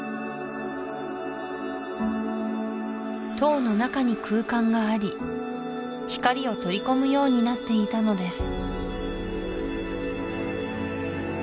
塔の中に空間があり光を取り込むようになっていたのです